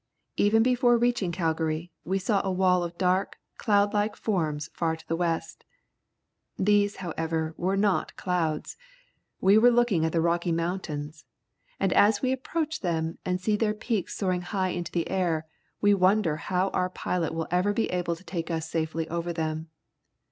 Even before reaching Calgary, we saw a wall of dark, cloud like forms far to the west. These, however, were not clouds. We were looking at the Rocky Mountains, and as we approach them and see their peaks soaring high into the air, we wonder how our pilot will ever be able to take us safely over them.